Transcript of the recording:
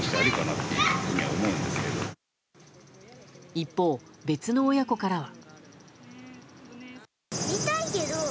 一方、別の親子からは。